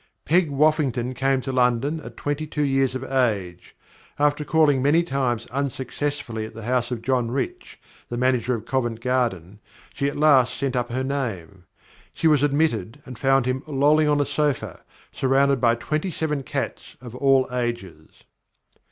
Peg Woffington came to London at twenty two years of age. After calling many times unsuccessfully at the house of John Rich, the manager of Covent Garden, she at last sent up her name. She was admitted, and found him lolling on a sofa, surrounded by twenty seven cats of all ages.